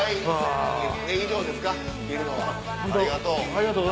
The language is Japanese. ありがとう。